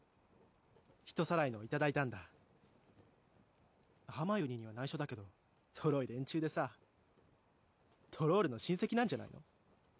人さらいのを頂いたんだハーマイオニーには内緒だけどトロい連中でさトロールの親戚なんじゃないの？